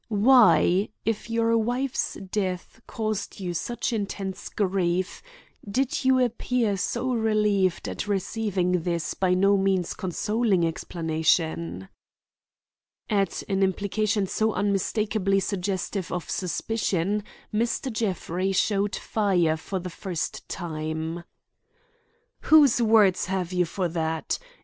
"Why, if your wife's death caused you such intense grief, did you appear so relieved at receiving this by no means consoling explanation?" At an implication so unmistakably suggestive of suspicion Mr. Jeffrey showed fire for the first time. "Whose word have you for that?